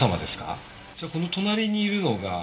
じゃあこの隣にいるのが。